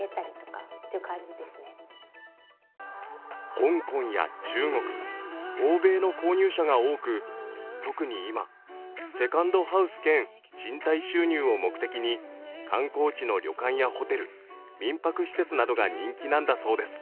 香港や中国、欧米の購入者が多く特に今、セカンドハウス兼賃金収入を目的に観光地の旅館やホテル、民泊施設などが人気なんだそうです。